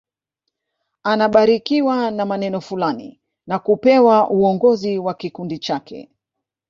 Anabarikiwa na maneno fulani na kupewa uongozi wa kikundi chake